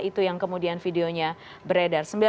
itu yang kemudian videonya beredar